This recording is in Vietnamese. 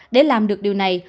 để làm được điều này